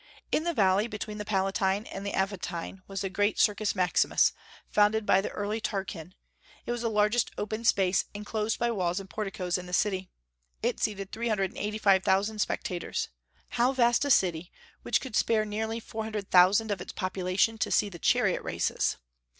In the valley between the Palatine and the Aventine, was the great Circus Maximus, founded by the early Tarquin; it was the largest open space, inclosed by walls and porticos, in the city; it seated three hundred and eighty five thousand spectators. How vast a city, which could spare nearly four hundred thousand of its population to see the chariot races!